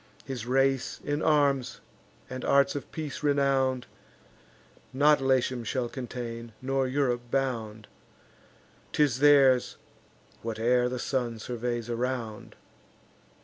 His race, in arms and arts of peace renown'd, Not Latium shall contain, nor Europe bound: 'Tis theirs whate'er the sun surveys around."